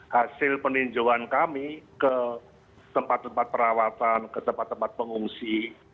hasil peninjauan kami ke tempat tempat perawatan ke tempat tempat pengungsi